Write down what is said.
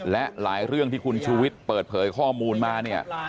และหลายเรื่องที่คุณชูวิทย์เปิดเผยข้อมูลมาเนี่ย